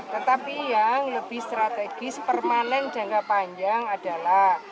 tetapi yang lebih strategis permanen jangka panjang adalah